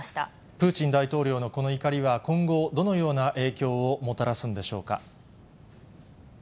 プーチン大統領のこの怒りは今後、どのような影響をもたらすんでしょうか。